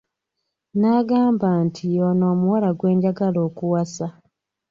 N'agamba nti y'ono omuwala gwe njagala okuwasa.